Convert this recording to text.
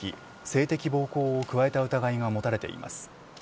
性的暴行を加えた疑いが持たれています。